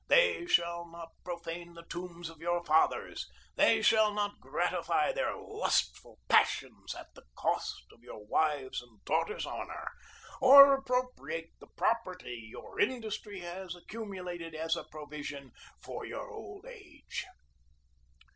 ... They shall not profane the tombs of your fathers, they shall not gratify their lustful passions at the cost of your wives' and daughters' honor, or appropriate the property your industry has accumu lated as a provision for your old age."